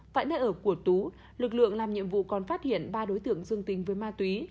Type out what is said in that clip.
tại nơi ở của tú lực lượng làm nhiệm vụ còn phát hiện ba đối tượng dương tình với ma túy